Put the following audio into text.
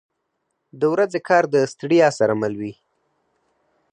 • د ورځې کار د ستړیا سره مل دی.